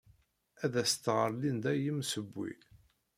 Ad as-tɣer Linda i yemsewwi.